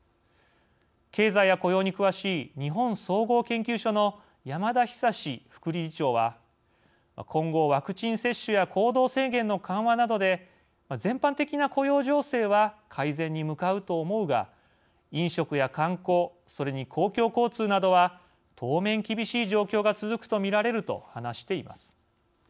経済や雇用に詳しい日本総合研究所の山田久副理事長は今後、ワクチン接種や行動制限の緩和などで全般的な雇用情勢は改善に向かうと思うが飲食や観光それに公共交通などは当面、厳しい状況が続くとみられると話しています。